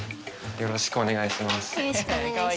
よろしくお願いします。